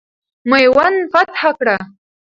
میوند فتح کړه.